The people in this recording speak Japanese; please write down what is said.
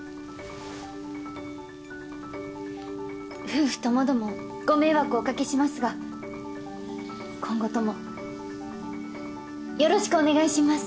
夫婦ともどもご迷惑おかけしますが今後ともよろしくお願いします。